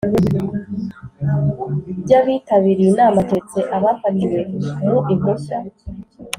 By abitabiriye inama keretse afatiwe mu impushya